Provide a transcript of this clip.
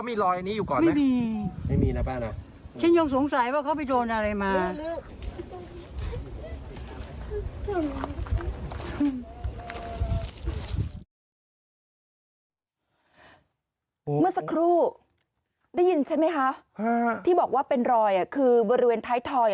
เมื่อสักครู่ได้ยินใช่ไหมคะที่บอกว่าเป็นรอยคือบริเวณท้ายถอย